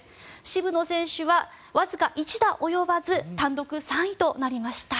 渋野選手は、わずか１打及ばず単独３位となりました。